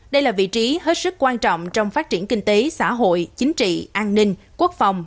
đây là vị trí hết sức quan trọng trong phát triển kinh tế xã hội chính trị an ninh quốc phòng